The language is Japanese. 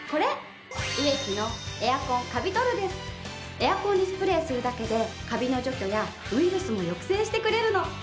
エアコンにスプレーするだけでカビの除去やウイルスも抑制してくれるの！